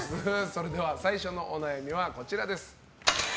それでは最初のお悩みはこちら。